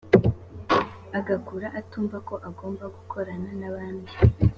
agakura atumva ko agomba gukorana n’abandi